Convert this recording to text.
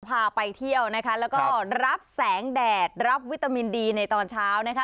พาไปเที่ยวนะคะแล้วก็รับแสงแดดรับวิตามินดีในตอนเช้านะคะ